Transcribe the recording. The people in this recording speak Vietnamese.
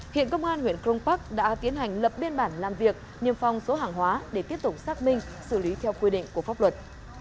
hiện công an huyện cron park đã tiến hành lập biên bản làm việc niêm phong số hàng hóa để tiếp tục xác minh xử lý theo quy định của pháp luật